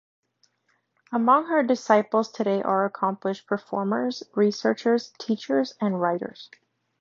Among her disciples today are accomplished performers, researchers, teachers and writers.